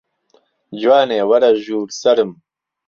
جوانێ وەرە ژوور سەرم